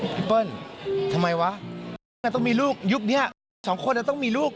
เปิ้ลทำไมวะต้องมีลูกยุคนี้สองคนต้องมีลูก